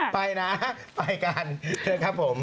ไปนะไปกันนะครับผม